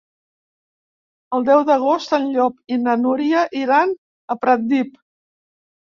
El deu d'agost en Llop i na Núria iran a Pratdip.